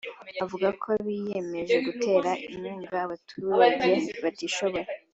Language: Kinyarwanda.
avuga ko biyemeje gutera inkunga abaturage batishoboye